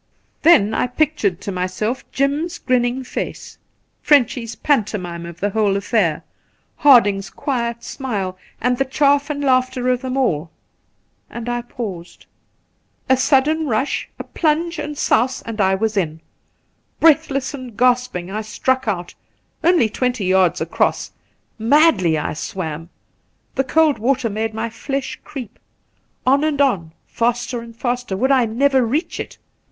Then I pictured to myself Jim's grinning face, Frenchy's pantomime of the whole affair, Harding's quiet smile, and the chaff and laughter of them all, and I paused. A sudden rush, a plunge and souse, and I was in. Breathless and gasping I struck out, only twenty yards across ; madly I swam. The cold water made my flesh creep. On and on, faster and faster; would I never reach it?